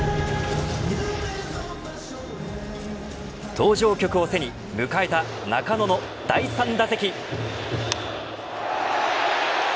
登場曲を背に、迎えた中野の第３打席。